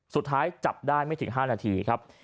สุดท้ายจับได้ไม่ถึง๕นาทีครับ